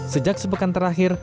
sejak sepekan terakhir